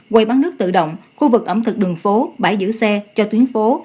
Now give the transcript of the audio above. quầy bán nước tự động khu vực ẩm thực đường phố bãi giữ xe cho tuyến phố